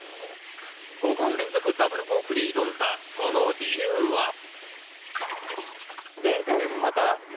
５本連続ダブルコークに挑んだその理由は？